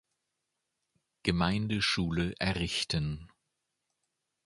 Gemeindeschule errichten.